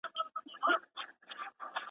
جانانه ولاړې اسماني سوې.